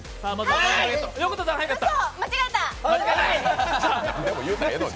間違えた！